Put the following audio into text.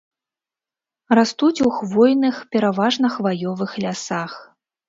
Растуць у хвойных, пераважна хваёвых лясах.